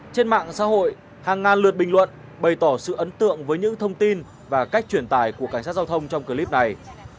trên mạng xã hội hàng ngàn lượt bình luận bày tỏ sự ấn tượng với những thông tin và cách truyền tải của cảnh sát giao thông trong clip này